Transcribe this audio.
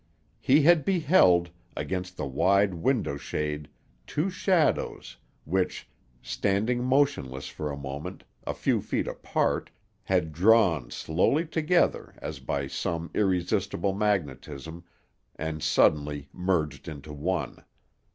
He had beheld, against the wide window shade two shadows, which, standing motionless for a moment, a few feet apart, had drawn slowly together as by some irresistible magnetism, and suddenly merged into one.